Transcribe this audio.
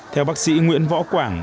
theo bác sĩ nguyễn võ quảng